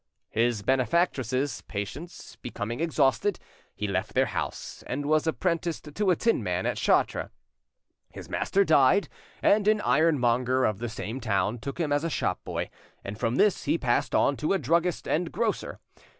His benefactresses' patience becoming exhausted, he left their house, and was apprenticed to a tinman at Chartres. His master died, and an ironmonger of the same town took him as shop boy, and from this he passed on to a druggist and grocer.